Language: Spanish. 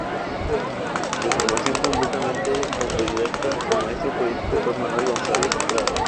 De formación completamente autodidacta, su maestro político fue Manuel González Prada.